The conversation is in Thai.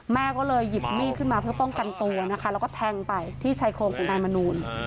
แม่ก็เลยหยิบมีดขึ้นมาเพื่อป้องกันตัวนะคะแล้วก็แทงไปที่ชายโครงของนายมนูล